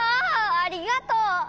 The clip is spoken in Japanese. ありがとう！